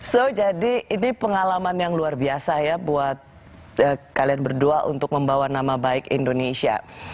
so jadi ini pengalaman yang luar biasa ya buat kalian berdua untuk membawa nama baik indonesia